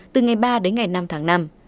từ ngày ba đến ngày năm tháng năm